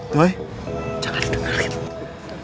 doi jangan didengerin